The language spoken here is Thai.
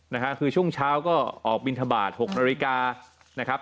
นะฮะคือช่วงเช้าก็ออกบินทบาทหกนาฬิกานะครับ